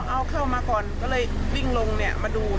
เอาเข้ามาก่อนอยากวิ่งมาดู